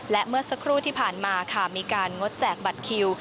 และเมื่อสักครู่ที่ผ่านมาค่ะมีการงดแจกบัตรคิว